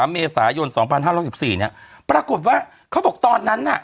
เมษายน๒๕๑๔เนี่ยปรากฏว่าเขาบอกตอนนั้นน่ะ